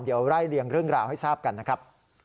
เดี๋ยวไล่เลี่ยงเรื่องราวให้ทราบกันนะครับ